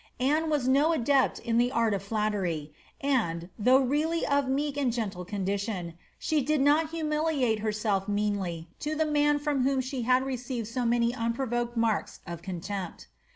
Anne wu no adept in the art of flattery, and, though really ^^ of meek and gentle condition," she did not humiliate herself meanly to the man firom whom she had received so many unprovoked marks of contempt.